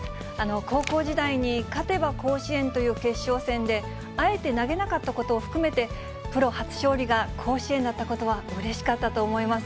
高校時代に勝てば甲子園という決勝戦で、あえて投げなかったことを含めて、プロ初勝利が甲子園だったことは、うれしかったと思います。